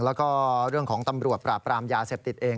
แล้วก็เรื่องของตำรวจปราบปรามยาเสพติดเอง